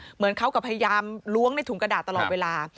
เหมือนกับพยายามล้วงในถุงกระดาษตลอดเวลา